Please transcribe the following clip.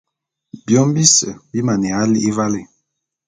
Biôm bise bi maneya li'i valé.